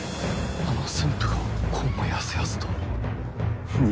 あの駿府がこうもやすやすと。